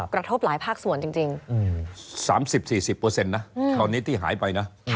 กระทบหลายภาคส่วนจริง๓๐๔๐นะคราวนี้ที่หายไปนะ